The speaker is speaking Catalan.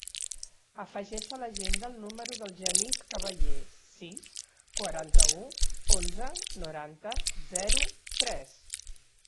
Afegeix a l'agenda el número del Genís Caballe: sis, quaranta-u, onze, noranta, zero, tres.